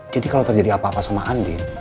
jadi kalau terjadi apa apa sama andin